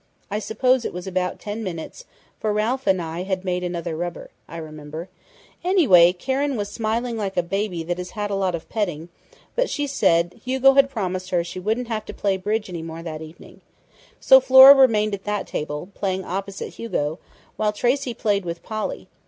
I suppose it was about ten minutes, for Ralph and I had made another rubber, I remember.... Anyway, Karen was smiling like a baby that has had a lot of petting, but she said Hugo had promised her she wouldn't have to play bridge any more that evening, so Flora remained at that table, playing opposite Hugo, while Tracey played with Polly.